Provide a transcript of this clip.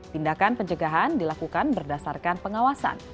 tindakan pencegahan dilakukan berdasarkan pengawasan